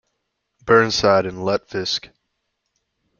Burnside and Lutefisk.